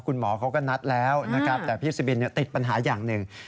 คุณหมอเขาก็นัดแล้วนะครับแต่พี่สุบินติดปัญหาอย่างหนึ่ง